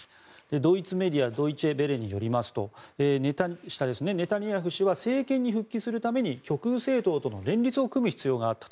ドイツメディアドイチェ・ヴェレによりますとネタニヤフ氏は政権に復帰するために極右政党との連立を組む必要があったと。